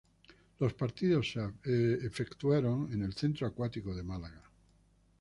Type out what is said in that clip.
Los partidos se efectuaron en el Centro Acuático de Málaga.